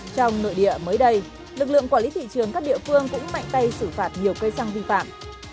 trong nội địa mới đây lực lượng quản lý thị trường các địa phương cũng mạnh tay xử phạt nhiều cây xăng vi phạm